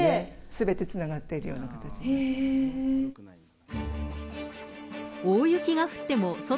すべてつながっているような形になってます。